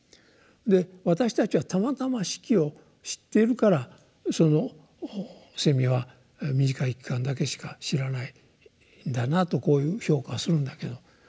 で私たちはたまたま四季を知っているからそのセミは短い期間だけしか知らないんだなとこういう評価をするんだけど。